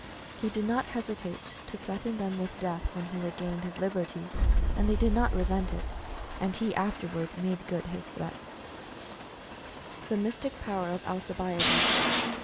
He did not hesitate to threaten them with death when he regained his liberty, and they did not resent it — and he afterward made good his threats. THE MYSTIC POWER OF ALCIBIADES.